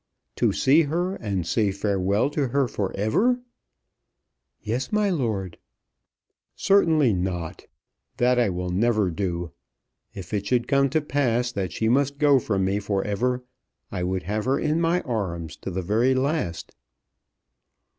"To see her, and say farewell to her for ever?" "Yes, my lord." "Certainly not. That I will never do. If it should come to pass that she must go from me for ever, I would have her in my arms to the very last!"